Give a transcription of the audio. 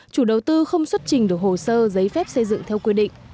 chủ đầu tư không xuất trình được hồ sơ giấy phép xây dựng theo quy định